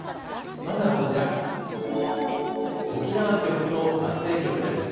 まずはこちら沖縄局と松江局です。